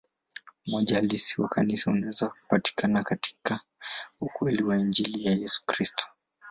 Umoja halisi wa Kanisa unaweza kupatikana tu katika ukweli wa Injili ya Yesu Kristo.